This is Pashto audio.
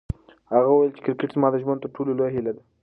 هغه وویل چې کرکټ زما د ژوند تر ټولو لویه هیله ده.